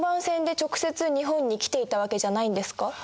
船で直接日本に来ていたわけじゃないんですか。